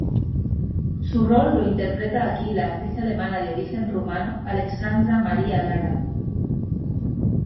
Su rol lo interpreta aquí la actriz alemana de origen rumano Alexandra Maria Lara.